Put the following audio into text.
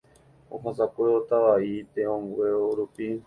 ohasakuévo Tava'i te'õngueo rupi